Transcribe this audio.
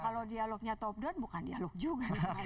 kalau dialognya top down bukan dialog juga